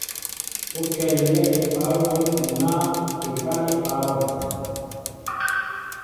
O kɛl yɛɛ epal hom adina ekáá epa wɛ.